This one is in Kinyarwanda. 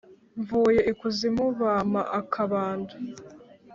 Mvuye ikuzimu bampa akabando